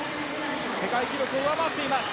世界記録を上回っています。